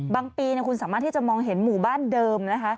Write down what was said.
ปีคุณสามารถที่จะมองเห็นหมู่บ้านเดิมนะคะ